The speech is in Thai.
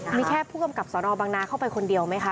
มีแค่ผู้กำกับสนบังนาเข้าไปคนเดียวไหมคะ